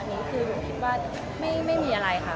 อันนี้คือหนูคิดว่าไม่มีอะไรค่ะ